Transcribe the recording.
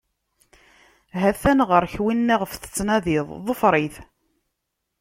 Ha-t-an ɣer-k winna iɣef tettnadiḍ, ḍfer-it.